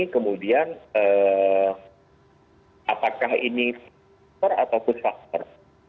jadi kemudian apakah ini faktor atau push factor